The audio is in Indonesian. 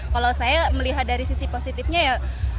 kalau saya melihat dari sisi positifnya ya